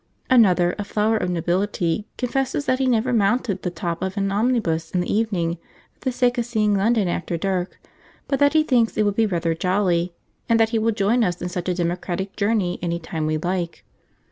Another, a flower of the nobility, confesses that he never mounted the top of an omnibus in the evening for the sake of seeing London after dark, but that he thinks it would be rather jolly, and that he will join us in such a democratic journey at any time we like.